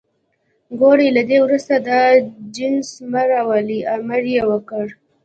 ګورئ له دې وروسته دا نجس مه راولئ، امر یې وکړ.